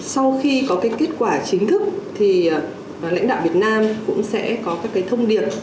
sau khi có kết quả chính thức lãnh đạo việt nam cũng sẽ có các thông điệp